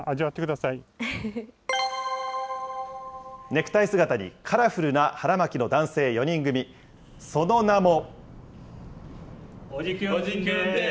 ネクタイ姿にカラフルな腹巻きの男性４人組、その名も。